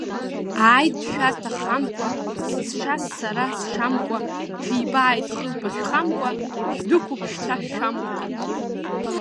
Ааит, шәарҭ ахамқәа, сызшаз сара сшамкәа, шәибааит хылԥа шәхамкәа, шәдәықәуп шәцәа шәамкуа…